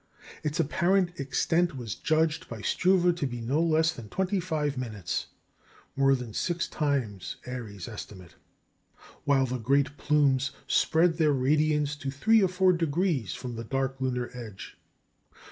Its apparent extent was judged by Struve to be no less than twenty five minutes (more than six times Airy's estimate), while the great plumes spread their radiance to three or four degrees from the dark lunar edge.